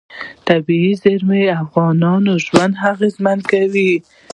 طبیعي زیرمې د افغانانو ژوند اغېزمن کوي.